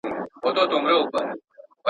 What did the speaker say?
لا کومول ته په غوسه په خروښېدو سو.